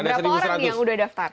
berapa orang nih yang udah daftar